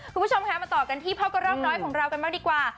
คุณผู้ชมค่ะมาต่อกันที่พบกับเริ่มน้อยของเรากันมากดีกว่า